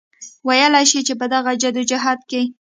وئيلی شي چې پۀ دغه جدوجهد کې